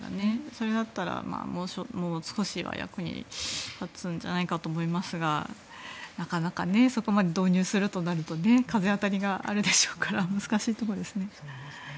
それだったら少しは役に立つんじゃないかと思いますがなかなかそこまで導入するとなると風当たりがあるでしょうから難しいところですね。